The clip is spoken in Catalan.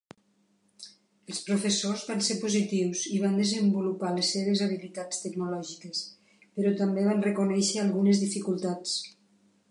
Els professors van ser positius i van desenvolupar les seves habilitats tecnològiques, però també van reconèixer algunes dificultats.